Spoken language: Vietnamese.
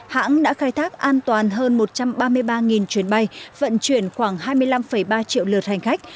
hãng đã khai thác an toàn hơn một trăm ba mươi ba chuyến bay vận chuyển khoảng hai mươi năm ba triệu lượt hành khách